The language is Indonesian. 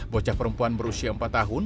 bocah perempuan berusia empat tahun